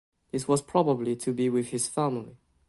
This was probably to be with his family.